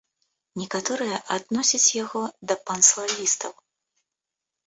Некаторыя адносяць яго да панславістаў.